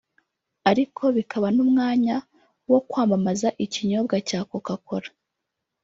ariko bikaba n’umwanya wo kwamamaza ikinyobwa cya Coca Cola